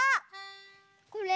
これ？